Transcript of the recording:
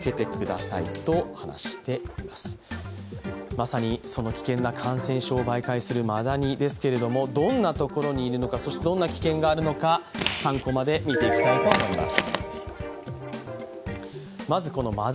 まさにその危険な感染症を媒介するマダニですけれどもどんなところにいるのか、そしてどんな危険があるのか、３コマで見ていきたいと思います。